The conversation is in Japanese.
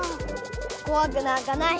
こわくなんかない。